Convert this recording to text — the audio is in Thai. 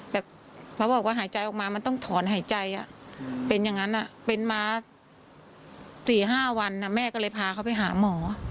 เขาบอกว่าหายใจออกมามันต้องถอนหายใจเป็นอย่างนั้นเป็นมา๔๕วันแม่ก็เลยพาเขาไปหาหมอ